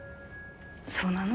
そうなの？